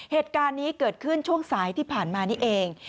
เหตุการณ์นี้เกิดขึ้นช่วงสายที่ผ่านมานี่เอง